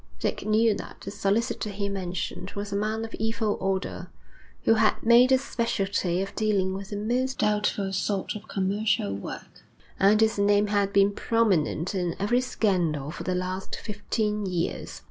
Dick knew that the solicitor he mentioned was a man of evil odour, who had made a specialty of dealing with the most doubtful sort of commercial work, and his name had been prominent in every scandal for the last fifteen years.